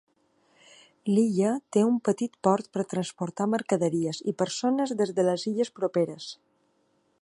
L'illa té un petit port per transportar mercaderies i persones des de les illes properes.